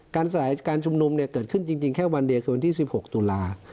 สลายการชุมนุมเนี่ยเกิดขึ้นจริงแค่วันเดียวคือวันที่๑๖ตุลา